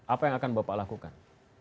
apa yang akan bapak lakukan